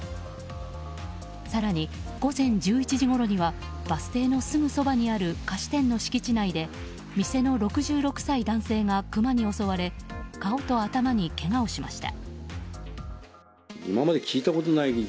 更に午前１１時ごろにはバス停のすぐそばにある菓子店の敷地内で店の６６歳男性がクマに襲われ顔と頭にけがをしました。